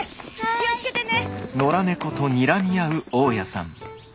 気を付けてね。